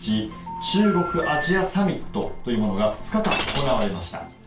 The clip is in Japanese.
中国アジアサミットが２日間、行われました。